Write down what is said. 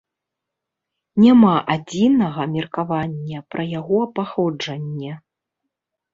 Няма адзінага меркавання пра яго паходжанне.